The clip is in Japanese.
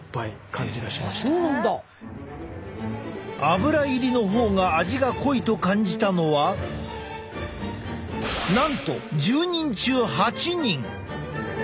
アブラ入りの方が味が濃いと感じたのはなんと１０人中８人！